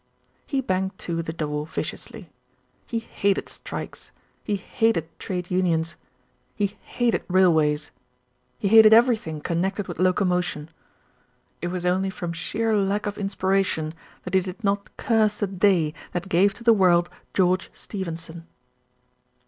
He banged to the door viciously. He hated strikes, he hated trade unions, he hated railways he hated everything connected with locomotion. It was only from sheer lack of inspiration that he did not curse the day that gave to the world George Stephenson.